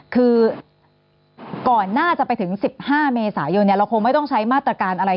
คือก่อนหน้าจะไปถึง๑๕เมษายนเราคงไม่ต้องใช้มาตรการอะไร